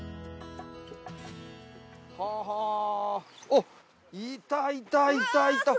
おっいたいたいたいた！